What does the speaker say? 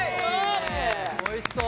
おいしそう！